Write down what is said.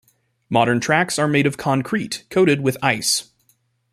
Modern tracks are made of concrete, coated with ice.